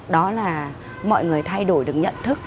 đó là mọi người thay đổi được nhận thức